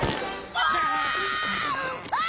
ああ！